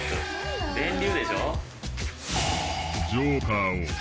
電流でしょ？